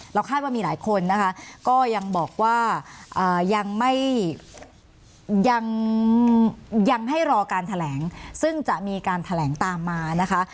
คาดว่ามีหลายคนนะคะก็ยังบอกว่ายังไม่รอการแถลงซึ่งจะมีการแถลงตามมานะคะ